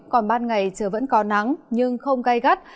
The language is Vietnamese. còn ban ngày trời vẫn có nắng nhưng không gai gắt